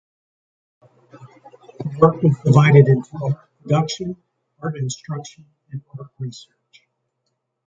The work was divided into art production, art instruction and art research.